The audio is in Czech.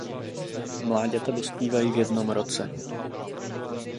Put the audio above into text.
Mláďata dospívají v jednom roce.